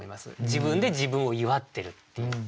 自分で自分を祝ってるっていう。